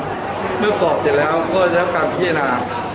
เวลาที่ช้ามเลือกผลจิตแล้วก็จะรับการพิเศษนาน